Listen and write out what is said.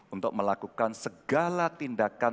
untuk melakukan segala tindakan